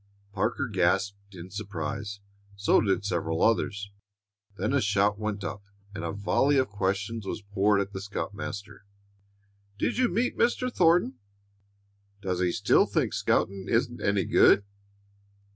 Parker gasped in surprise; so did several others. Then a shout went up, and a volley of questions was poured at the scoutmaster. "Did you meet Mr. Thornton?" "Does he still think scouting isn't any good?"